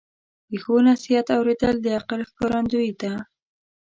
د ښو نصیحت اوریدل د عقل ښکارندویي ده.